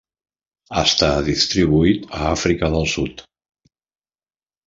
Està distribuït a Àfrica del Sud.